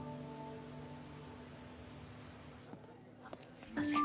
すいません。